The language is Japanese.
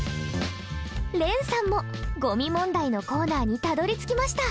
れんさんもゴミ問題のコーナーにたどりつきました。